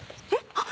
あっ！